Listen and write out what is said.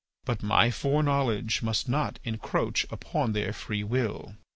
But my foreknowledge must not encroach upon their free will.